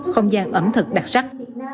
không gian ẩm thực đặc sắc